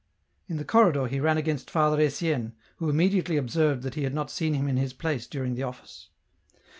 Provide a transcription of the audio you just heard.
In the corridor he ran against Father Etienne, who immediately observed that he had not seen him in his place during the office.